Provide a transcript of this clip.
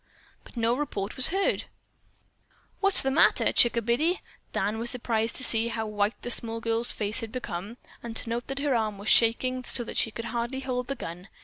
But no report was heard. "What's the matter, chick a biddie?" Dan was surprised to see how white the small girl's face had become, and to note that her arm was shaking so that she could hardly hold the gun.